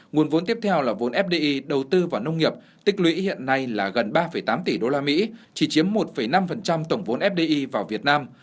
nguồn vốn tiếp theo là vốn fdi đầu tư vào nông nghiệp tích lũy hiện nay là gần ba tám tỷ usd chỉ chiếm một năm tổng vốn fdi vào việt nam